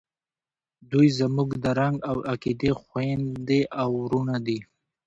دوئ زموږ د رنګ او عقیدې خویندې او ورونه دي.